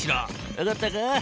わかったか？